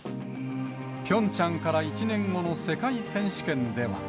ピョンチャンから１年後の世界選手権では。